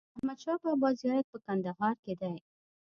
د احمدشاه بابا زیارت په کندهار کې دی.